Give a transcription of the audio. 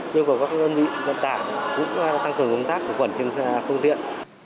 điều của các đơn vị đơn tả cũng tăng cường công tác của quản trường xe không tiện